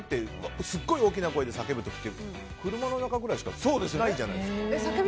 すごい大きな声で叫ぶ時って車の中ぐらいしかないじゃないですか。